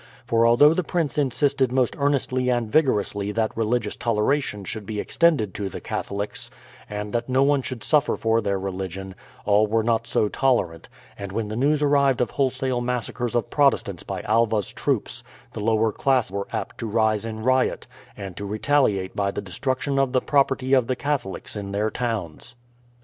For although the Prince insisted most earnestly and vigorously that religious toleration should be extended to the Catholics, and that no one should suffer for their religion, all were not so tolerant; and when the news arrived of wholesale massacres of Protestants by Alva's troops, the lower class were apt to rise in riot, and to retaliate by the destruction of the property of the Catholics in their towns.